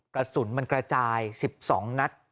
กระสุนมันกระจาย๑๒นัด